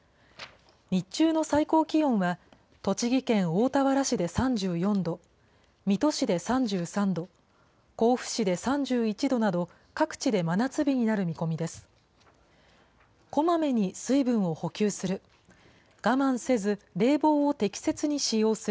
日中の最高気温は、栃木県大田原市で３４度、水戸市で３３度、甲府市で３１度など、各地で真夏日になる見込みです。